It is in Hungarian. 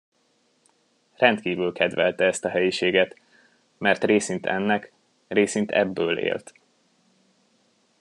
Rendkívül kedvelte ezt a helyiséget, mert részint ennek, részint ebből élt.